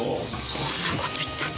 そんな事言ったって。